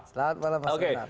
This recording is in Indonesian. selamat malam pak soekarno